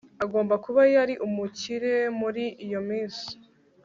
Agomba kuba yari umukire muri iyo minsi